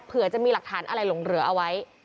เผื่อจะมีหลักฐานอะไรหลงเหลือเอาไว้